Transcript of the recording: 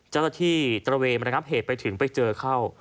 เจ้าตะที่ตระเวนมารับเหตุไปถึงไปเจอเข้า